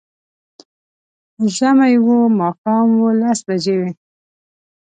ژمی و، ماښام و، لس بجې وې